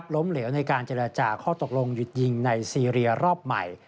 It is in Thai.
ล้มเหลวในการเจรจาข้อตกลงหยุดยิงในซีเรียรอบใหม่